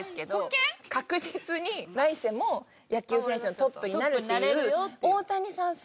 確実に来世も野球選手のトップになるっていう。